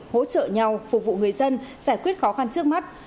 hỗ trợ nhau phục vụ người dân giải quyết khó khăn trước mắt